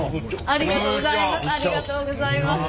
ありがとうございます。